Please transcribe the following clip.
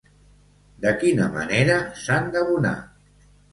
De quina manera s'han d'abonar?